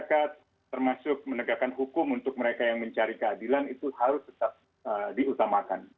saya kira fungsi fungsi utama dari kepolisian untuk melayani melindungi masyarakat termasuk menegakkan hukum untuk mereka yang mencari keadilan itu harus tetap diutamakan